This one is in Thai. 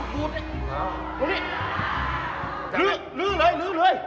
ลื้อเลย